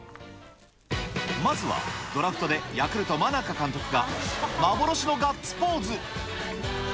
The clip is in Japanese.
まずは、ドラフトでヤクルト、真中監督が幻のガッツポーズ。